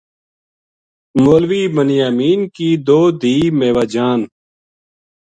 مولوی بنیامین کی دو دھی میوہ جان